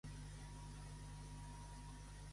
Ensenya'm quina és la definició de portapau.